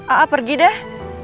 aa pergi deh